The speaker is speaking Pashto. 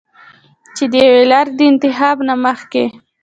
چې د يوې لارې د انتخاب نه مخکښې